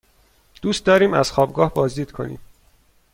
دوست داریم از خوابگاه بازدید کنیم.